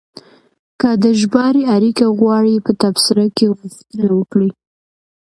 که د ژباړې اړیکه غواړئ، په تبصره کې غوښتنه وکړئ.